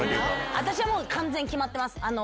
私はもう完全決まってます。